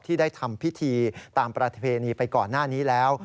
ได้ทำพิธีตามประเพณีไปก่อนหน้านี้แล้ว